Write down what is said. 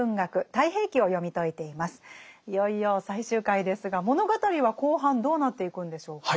いよいよ最終回ですが物語は後半どうなっていくんでしょうか？